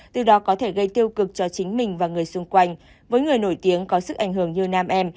từ đó có thể gây tiêu cực cho chính mình và người xung quanh với người nổi tiếng có sức ảnh hưởng như nam em